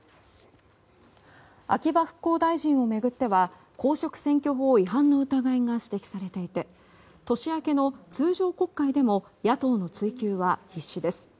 秋葉復興大臣を巡っては公職選挙法違反の疑いが指摘されていて年明けの通常国会でも野党の追及は必至です。